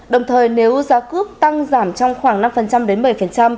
đồng thời nếu giá cước tăng giảm trong khoảng năm đến bảy mươi